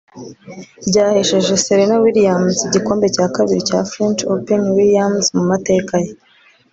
byahesheje Serena Williams igikombe cya kabiri cya French Open Williams mu mateka ye